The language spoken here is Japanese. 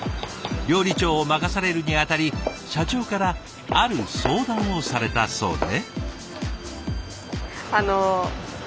料理長を任されるに当たり社長からある相談をされたそうで。